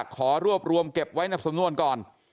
ขอรวบรวมเก็บไว้ในสำนวนก่อน